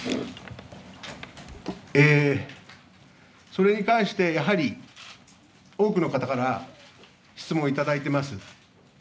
それに関してやはり多くの方から質問をいただいています。